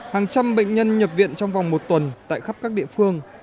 hàng trăm bệnh nhân nhập viện trong vòng một tuần tại khắp các địa phương